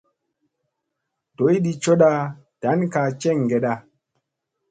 Doydi cooda ɗan kaa jeŋgeda.